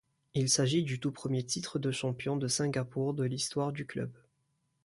Il s'agit du tout premier titre de champion de Singapour de l'histoire du club.